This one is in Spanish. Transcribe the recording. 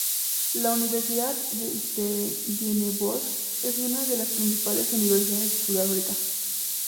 La Universidad de Stellenbosch es una de las principales universidades de Sudáfrica.